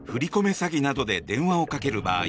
詐欺などで電話をかける場合